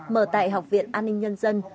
mở tại học viện an ninh nhân dân